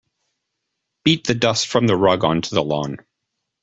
Beat the dust from the rug onto the lawn.